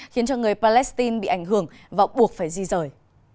khiến cho người palestine bị ảnh hưởng và buộc phải di rời